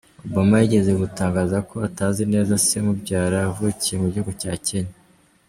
Obama yigeze gutangaza ko atazi neza se umubyara wavukiye mu gihugu cya Kenya.